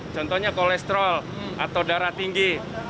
contohnya kolesterol atau darah tinggi